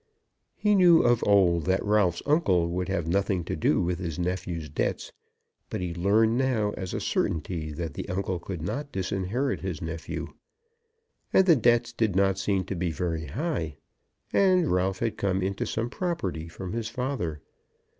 He knew from of old that Ralph's uncle would have nothing to do with his nephew's debts; but he learned now as a certainty that the uncle could not disinherit his nephew. And the debts did not seem to be very high; and Ralph had come into some property from his father.